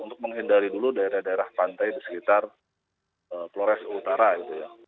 untuk menghindari dulu daerah daerah pantai di sekitar flores utara gitu ya